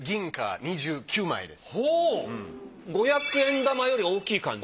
５００円玉より大きい感じ？